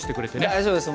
大丈夫です。